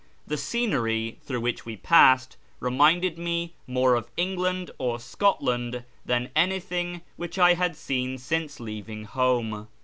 The scenery through which we passed reminded me more of England or Scotland than anything which I had seen since leavinof home.